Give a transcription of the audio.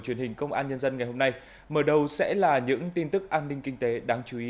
truyền hình công an nhân dân ngày hôm nay mở đầu sẽ là những tin tức an ninh kinh tế đáng chú ý